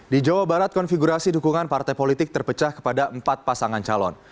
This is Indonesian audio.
di jawa barat konfigurasi dukungan partai politik terpecah kepada empat pasangan calon